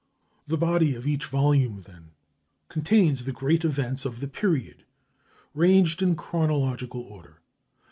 The body of each volume, then, contains the Great Events of the period, ranged in chronological order.